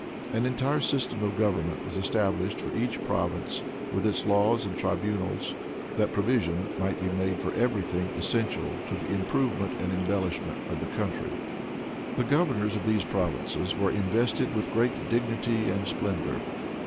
An entire system of government was established for each province, with its laws and tribunals, that provision might be made for every thing essential to the improvement and embellishment of the country. The governors of these provinces were invested with great dignity and splendor.